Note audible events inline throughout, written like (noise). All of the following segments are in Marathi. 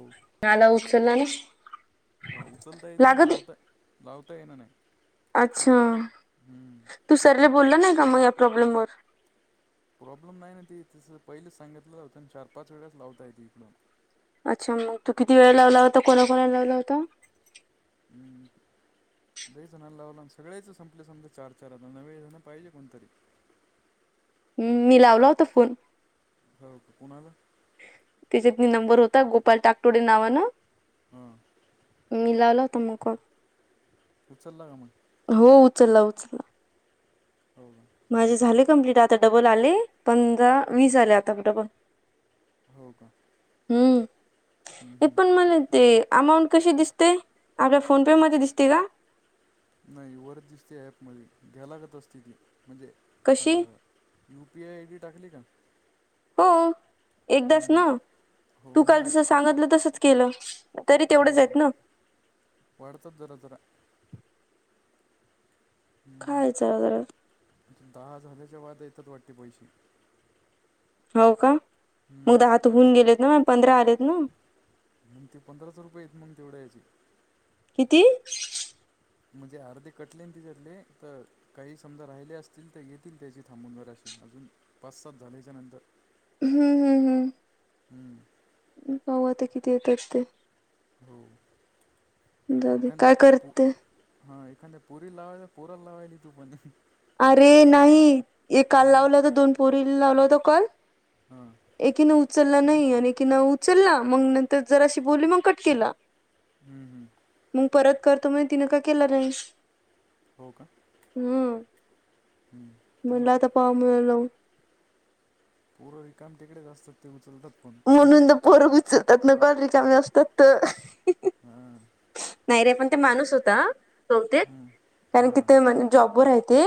हो. (unintelligible) हां. उचलता येते ना लागत लावता, लावता येई ना नाही. अच्छा हम्म. तू सरले बोलला नाही का, मग या प्रॉब्लेम मुळं. प्रॉब्लेम नाही ना ती तिसं पहिलेच सांगितलं होतं आणि चार पाच वेळेस लावता येतंय इकडून. अच्छा मग तू किती वेळ लावला होता, कोणा कोणाला लावला होता. हम्म. (inaudible) लई जणांना लावला आणि सगळेच संपले समजा, चार चार नवे जण पाहिजे कोणतरी. हम्म मी लावला होता फोन. हो कोणाला? त्याच्यातन नंबर होता, गोपाल टाकोडे नावानं. हा. मि लावला होता मग कॉल. उचलला का मग? हो उचला उचला. हो. माझे झाले कम्प्लीट आता डबल आले. पंधरा वीस आले आता डबल. हो का? हम्म. हम्म, ये हम्म. पण मला ते अमाऊंट कशी दिसते, आपल्या फोनपेमध्ये दिसते का? नाही वरच दिसते ऍपमध्ये घ्याय लागत असते ती. म्हणजे अ कशी यूपीआय आयडी टाकली का? हो एकदाच हम्म, ना, हो तू मग काल आठ- जस सांगितलं तसच केलं. तरी हो. तेवढंच आहेत ना वाढतात जरा जरा. हम्म, खायचं वगैर, दहा झालेच्या बाद येतात वाटते पैसे. हो का, मग दहा हम्म तर होऊन गेलेत ना, मग पंधरा आलेत ना. मग ते पंधरा सो रुपयेत, मग तेवढे यायचे. किती म्हणजे आर्धी कटलीन तिज्यातले तर काही समजा राहिले असतील तर येतील त्याची थांबून वराशी अजून पाच सात झाल्याच्या नंतर हम्म हम्म हम्म. हम्म. पाहू आता किती येतात ते. हो जाऊ दे विकन्यात काय पो करते हा एखांद्या पुरी लावय पोरल लावयली तु पण. अरे नाही एकाला हां लावलं होतं दोन पोरी लावला होता कॉल हां. एकीनं उचल नाही आणि एकीने उचलला मंग नंतर जराशी बोलली मग कट केला. हम्म, हम्म. मग परत करतो म्हणे तिनं काय केलं नाही. हो का. हम्म. हम्म. त्याचे म्हणला आता पाव मेलो. होय. रिकाम टिकडेच असतात ते उचलतात. पण म्हणून तर उचलतात ना (unintelligible) असतात तर. हां नाही रे पण ते माणूस होता बहुतेक. हम्म. कारण की हां ते म्हण जॉबवर आहे ते.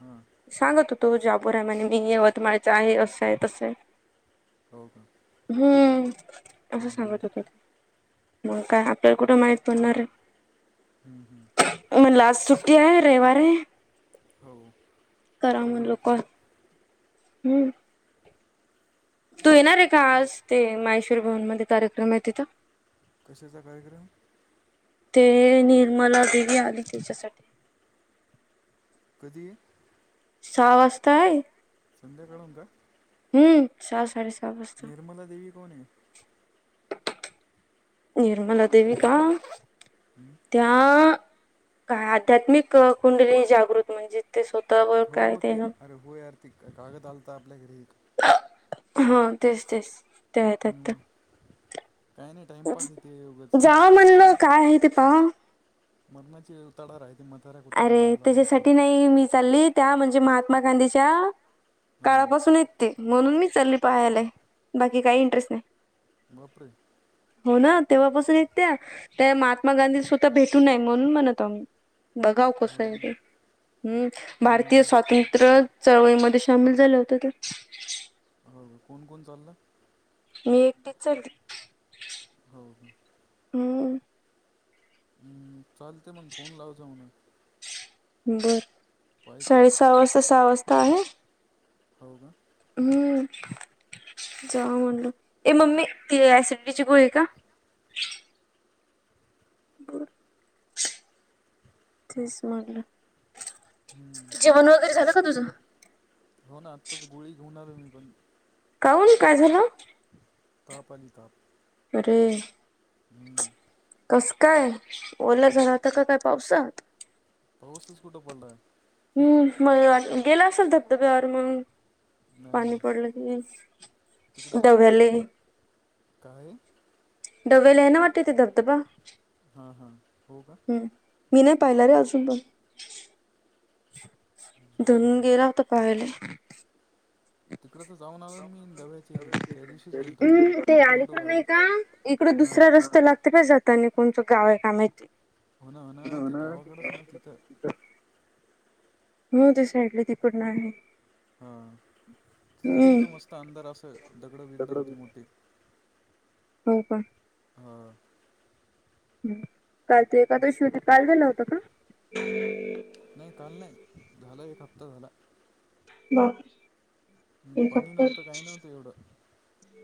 हां सांगतो तो जाबोर आहे म्हणे, मी यवतमाळचं आहे असं आहे तसं आहे. हो का. हम्म असं हम्म, हम्म. सांगत होतं. मग काय आपल्याला कुठं माहीत पडणार आहे. हम्म, हम्म. म्हणला आज सुट्टी आहे रविवार आहे. हो करा वेळे म्हणलो वरती. कॉल हम्म. तु येणार आहे का आज ते, माहेश्वर भवनमध्ये कार्यक्रम आहे तिथं. कशाचा कार्यक्रम. ते निर्मला देवी आली त्याच्यासाठी कधी हे. सहा वाजता आहे. संद्याकाळून का? हम्म सहा साडे सहा निर्मला देवी कोण ये. निर्मला देवी का? हम्म. त्या का आध्यात्मिक कुंडली जागृत म्हणजे ते स्वतःवर हो काय ते ती ना अरे हो यार, ती कागद आलत‌ आपल्या घरी. हा तेच तेच ते, त्या येतात ते. हं. काय नाही टाइमपास येते उगच. हा म्हणलो काय, आहे ते पाहा. मरणाचे तडार आहे ते मधार आहे. अरे त्याच्यासाठी नाही मी चाललीत त्या म्हणजे, महात्मा गांधीच्या हां काळापासून येत. ते म्हणून मी चाली पाहायलाय बाकी काही इंटरेस्ट नाही. बापरे! हो.. ना.. तेव्हापासून येत्या. त्या महात्मा गांधी स्वतः भेटून नाही म्हणून म्हणत आम्ही. बघाव कसं हो आहे का ते. हम्म. भारतीय हं. स्वातंत्र चळवळीमध्ये सामील झाले होते ते. हो.. कोण? कोण? चाललं? मी एकटीच चालली. हो ना. हम्म.. हं. चालते मग, फोन लावायचा मला. बर. पाहतो साडे सहा वाजता सहा वाज हो का? हम्म. जा म्हणलो. ए मम्मी हि ऍसिडटीची गोळी आहे का? तेच म्हंटल. हं. जेवण वगैरे झालं का तुझं? हो ना आत्ताच गोळी घेऊन आलोय मी पण. काऊन काय झालं? ताप आली ताप. अरे हं. कसं काय? ओलं झाला होता क काय पावसात? पाऊसच कुठं पडलाय? हम्म. मला वाटलं गेला असेल, धबधब्यावर मग, नाही पाणी नाही पडलं की तिकडं (unintelligible) काय? ही. डबल आहे, ना वाटते ते धबधबा. हा हा. हो का? हम्म. मी नाही पाहिला रे अजून पण. धनु गेला होता. पाहिलंय. तिकडं तर जाऊन आलो ना मी डब्याच्या इकडं त्या दिवशीच गेलतो आम्ही हम्म. ते फोटो बिटो अलीकडे नाही काढले का? हां दुसरा रस्ता लागतो, जातानी कोणचं? गाव आहे का माहिती? हो ना.. हो ना.. ते गावाकडेच ना तिथं. मी होतो साईडला तिकडन आहे. हा. तिच हम्म गेलतो मस्त अंधार असं दगडं, बिगडं होती मोठी. हो का? हो. हमं कालची एकादशी होती काल झालं होत का? नाही काल, नाही झालं, एक हप्ता झाला. बरं.. पाणी नव्हतं. काय? नव्हतं एवढं.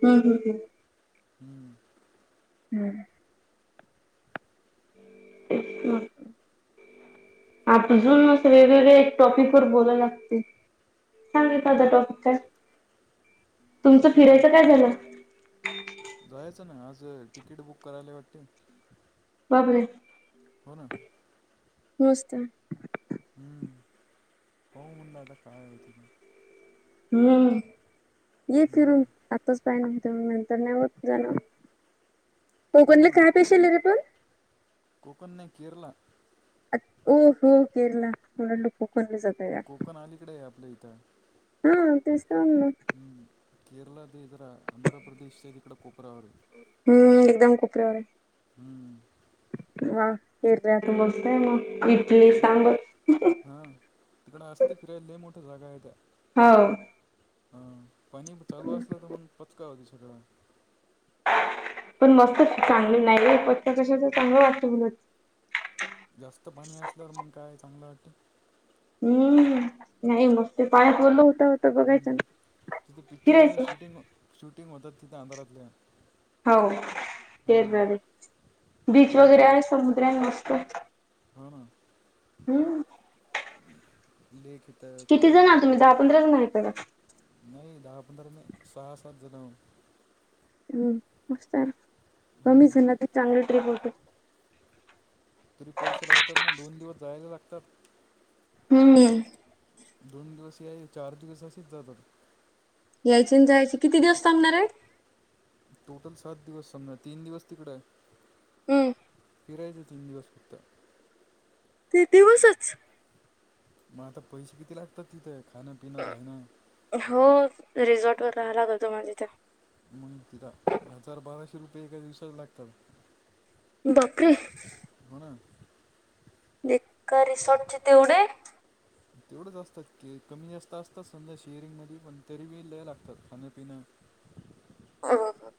हम्. हम. हम्.. हम्म. हम्म. तेच (inaudible) आ (unintelligible) असं वेगवेगळेया टॉपिक वर बोलायला लागते. सांग एखादा टॉपिक काय. तुमचं टॉपिक काय? फिरायचं झालं? जायचं ना, आज तिकीट बुक करायला वाटते. बापरे! हो ना ! मस्त! ! हम्म. पाहू म्हणलं आता काय होते ते? हम्म ये फिरून. आताच काय म्हणतोय मग नंतर मग झालं. कोकणला काय स्पेशल हाय रे पण? कोकण‌ नाही केरला. ओ हो केरला थोड लोकोखणलं जात या कोकण अलीकडे आहे आपल्या इथं ह तेच तर म्हणलं हम्म. केरला ते जरा आंध्र प्रदेश च्या इकडे कोपरावरे हम्म एकदम कोपऱ्यावर ये हम्म व्हा केरला तर मस्त येम तिकडं हा तिकडं अस्तित रे लय मोठ जागा आहे काय हाव हा पाणी चालू असलं तर मग पचका होईल सगळा पण मस्त चांगली नाही पत्त कशाच चांगलं वाटतं म्हणत जास्त पाणी असल्यावर मग काय चांगलं वाट हम्म नाही मग ते पाण्यात वलं होत बघायचं हम्म तिथे पिक्चरच्या फिरायचं शूटिंग, शूटिंग होतात तिथं अंधारातल्या हो केर हां बीच दोन वगैरे आहे समुद्रा आहे मस्त हा ना हम्म लिखित किती जण काही आहात तुम्ही तरी. दहा पंधरा जण आहेत बघा नाही दहा पंधरा नाही सहा, सात जण हम् मस्तर कमी हम्म. झा ना ते चांगल ट्रीप होते तरी पैसे लागतात ना दोन दिवस जायला लागतात हम्म दोन दिवस येईल चार दिवस असेच जातात यायची अन जायची किती दिवस थांबणार आहे टोटल सात दिवस समजा तीन दिवस तिकड हम्म फिरायच तीन दिवस फक्त ते दिवसचं म आता पैसे किती लागतात तिथं खां पिणं राहणं हो रिझॉर्टवर राहायला लागतं म तिथं म्हणुन जा हजार बाराशे रुपये एका दिवसात लागतात बपरे! होना का रिसॉर्टचे तेवढे तेवढंच असतात की कमी जास्त असतात, समजा शेअरिंग मध्ये तरी बि ल्यायला लागतात खाणपिनं. ह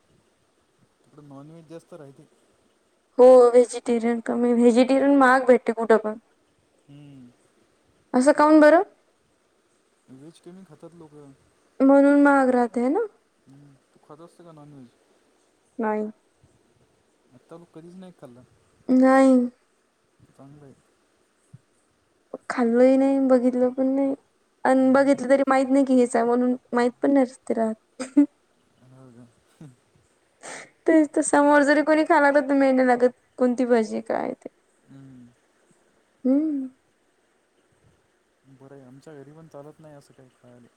नॉनव्हेज जास्त राहिले हो व्हेजिटेरियन कमी व्हेजिटेरियन महाग भेटते मग डबा हम्म असं काऊन बरं व्हेज कमी खातात लोकं. म्हणून महाग राहतं हे ना हम्म तू खात असते का नॉनव्हेज नाही आता कधीच नाही खाल्लं नाही. चांगलय खाल्लं ही नाही अन बघितलं पण नाही आणि हम्म, बघितलं तरी माहित नाही की हेच हय म्हणून माहित पण नसत रहात (unintelligible) तेच तर समोर जरी कोणी खायला लाग तर मेळ नाय लागत कोणती भजी ये काय ते हम्म. हम्म बरं आहे आमच्या घरी पण चालत नाही असं काही कळाले.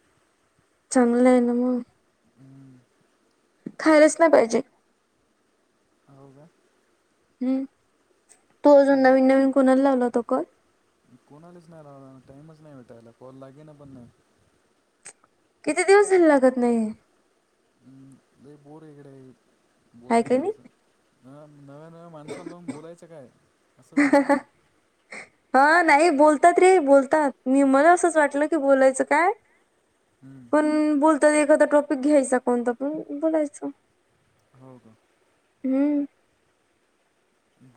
चांगलं आहे ना मग. हम्म. खायलाच नाही पाहिजे. हो का? हम्म तो अजून नवीन काऊन नवीन कोणाला लावला होता कॉल? कोणालाच नाही लावला टामच नाही भेटायला पॉल लागे ना पण नाही. किती दिवस झाले लागत नाहीय. हम्म, बोर आहे इकडे हाय बोलायच़ का नाही? असं. नव्या नव्या माणसांना जाऊन बोलायचं काय? असं होतं ना (unintelligible) हा नाही बोलतात रे बोलतात मी मला असंच वाटलं की बोलायचं काय? हम्म पण बोलताना एखादा कोणताही टॉपिक घ्यायचा आणि बोलायचं. हो हो. हम्म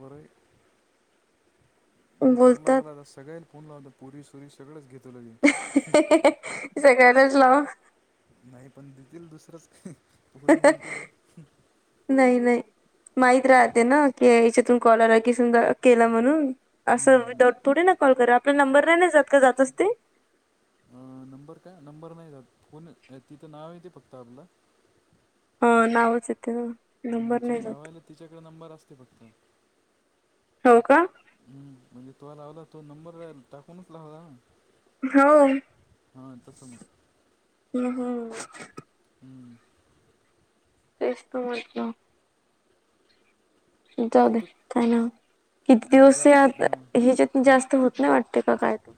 बरय. म कर बोलतात लागलाता सगळयला फोन लाव पोरीस त सगळंच घेतल लगे. सगळ्यालाच लाव नाही पण देतील दुसरंच का. (unintelligible) नाही नाही माहत राहते ना की याच्यातून कॉल समजा आला की केला म्हणून. असं हम्म, हम्म. विदाऊट थोडे ना कॉल करा आपला नंबर नाही नाही जात का जातच त? नंबर का नंबर नाही जात तिथं नाव य ते फक्त आपलं. हा नाव चेत ते. जे लावायला तिच्याकडे नंबर असते फक्त. हो का? हम् म्हणजे तोला लावला तो नंबर टाकूनच लावला. हो. हा तसं मग हम्म हम्म. हम्म तेच तर म्हटलं. जाऊ दे तिथं का ना होत, किती तिथं दिवस जा हां हच्यात हम्म? जास्त होत. नाही वाटते काय ते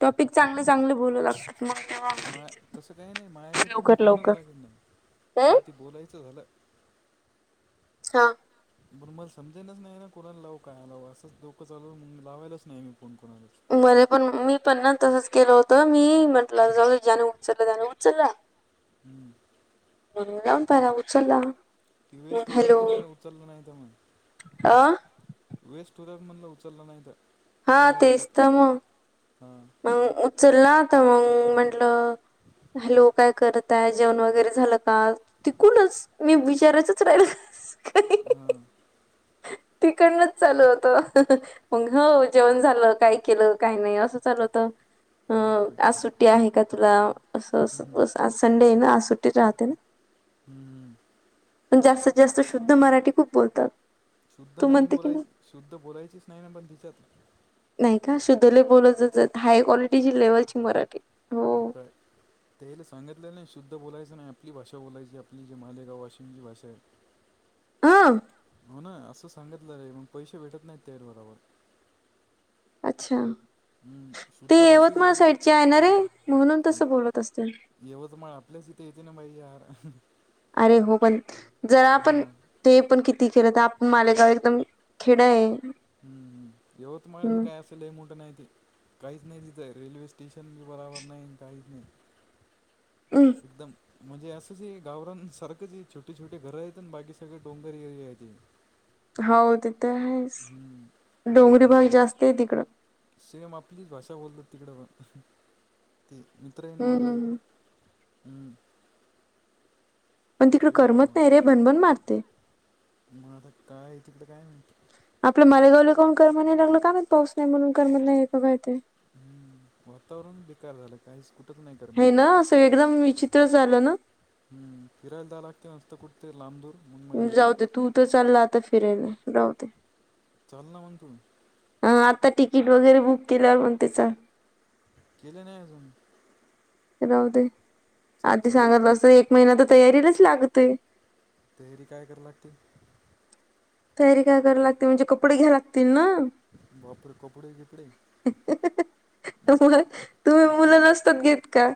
टॉपिक चांगले चांगले बोलू लागतात. (unintelligible) मा तसं काही नाही मायाच्यातून तर लवकर फोनच लवकर लागेल नाही हम्म मग त बोलायचं झालं. हा. बण मला समजायलाच नाही ना क कोणाला लाव काय लाव असंच डोकं चालून म लावायलाच नाही मी फोन कोणालाच. मध्ये पण मी पण ना तसंच केल होतं मी म्हंटलं जने उचललं त्याने उचललं. (inaudible) हम्म. म्हणून जाऊन पहिय उचलला. कि वेस्ट मग होतात हॅलो बरं उचलला नाही की मग. अ वेस्ट होत्यात म्हणलं उचललं नाही, हा तर वाया जातात तेच तर मग हां. मग उचलला तर मग म्हटलं. हॅलो काय करतय जेवण वगैरे झालं का तिकूनच. मी विचारायचं तर राहिलं काही. हं.. तिकडनच चालू होतं. ह ह ह. मग हो जेवण झालं काय, केलं काय नाही असं चालू होतं. अ बापरे आ सुट्टी आहे का तुला असं, हम्म. आज संडे आहे ना आ सुट्टीत राहते ना. हम्म. पण जास्तीत जास्त शुद्ध मराठी, खूप बोलतात. शुद्ध तू नाही म्हणते की बोलायच, शुद्ध बोलायचीच नाही पण तिच्यांत. नाही का शुद्धले बोलतच हाय, क्वालिटीची लेवलची मराठी. हो (unintelligible) त्याला सांगितलेलं नाही, शुद्ध बोलायचं नाही आपली भाषा बोलायची, आपली जी मालेगाव वाशिंची भाषा आहे. हा हो ना, असं सांगितलं रे, मग पैसे भेटत नाही त्याबरोबर. अच्छा! हम्म ते शुद्ध भाषेच यवतमाळ साईडचे आहे, ना रे म्हणून तस बोलत असते. येवतमाळ आपल्याच इथे येते ना बाई यार. अरे हो पण, जरा पण. हा ते पण किती खेल आपण, मालेगाव एकदम खेड आहे. हम्म.. यवतमाळ बी हम्म काय असं. मोठ नाही ते, काहीच नाही तिथं रेल्वे स्टेशन बराबर नाही काहीच नाही. हम्. दम. म्हणजे असंच गावरान सारखंच ये छोटे छोटे घरं येत आणि बाकी सगळे डोंगर एरिया ती. हो तिथे हम्म आहेच डोंगरी, भाग जास्त आहे तिकडं. सेम आपलीच भाषा बोलतात तिकडे पण. ते मित्र हे न हम्म माझा एक. हम्म पण तिकडं करमत यवतमाळ नाही रे, भनबन मारते. मग आता काय, तिकडे काय नाही. आपलं मालेगावला कोण? करमना नाही लागलं का? माहिती पाऊस नाही म्हणून करमत नाही का? काय? ते. हम्म.. वातावरण बेकार झालं. काही कुठच नाही तर. हे ना असं, एकदम विचित्र झालं ना. हम् फिरायला (unintelligible) ते लामदूर मु जाऊ दे तू तर चालला आता, फिरायला जाऊ दे. चल ना मग तु. हं.. आता तिकीट वगैरे, बुक केल्यावर म्हणते चल. केले नाही अजून राहूदे, चल आधी चल सांगितल‌ एक महिना तर तयारीलाच लागते. तयारी काय कराले‌ लागते. तयारी काय कराय लागते, म्हणजे कपडे घ्याय लागतील ना. बापरे कपडे. कपडे. मग तुम्ही आपले मुलं नसतात घेत का?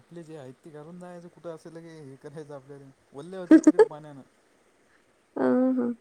आपले जे आहेत ते घालून जायचं कुठं असेल, क हे करायचं आपल्या वल्ले होतात तिकडे पाण्यानं. अं हं..